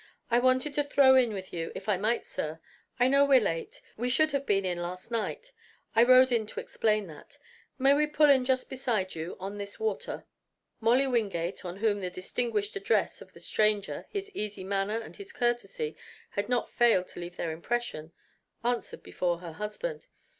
I wanted to throw in with you if I might, sir. I know we're late we should have been in last night. I rode in to explain that. May we pull in just beside you, on this water?" Molly Wingate, on whom the distinguished address of the stranger, his easy manner and his courtesy had not failed to leave their impression, answered before her husband.